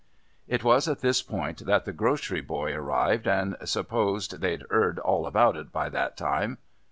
It was at this point that the grocery "boy" arrived and supposed they'd 'eard all about it by that time.